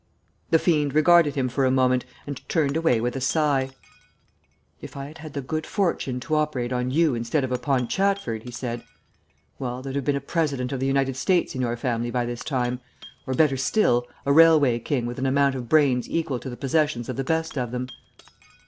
The fiend regarded him for a moment and turned away with a sigh. "If I had had the good fortune to operate on you instead of upon Chatford," he said, "well, there'd have been a president of the United States in your family by this time, or, better still, a railway king with an amount of brains equal to the possessions of the best of them.